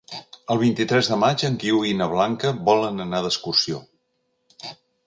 El vint-i-tres de maig en Guiu i na Blanca volen anar d'excursió.